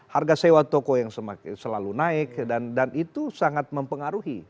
harga sewa toko yang selalu naik dan itu sangat mempengaruhi